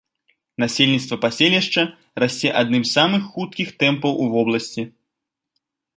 Насельніцтва паселішча расце аднымі з самых хуткіх тэмпаў у вобласці.